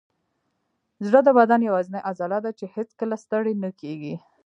زړه د بدن یوازینی عضله ده چې هیڅکله ستړې نه کېږي.